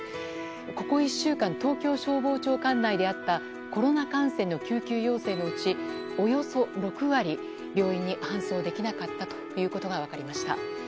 ここ１週間東京消防庁管内であったコロナ感染の救急要請のうちおよそ６割、病院に搬送できなかったことが分かりました。